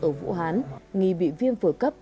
ở vũ hán nghỉ bị viêm phở cấp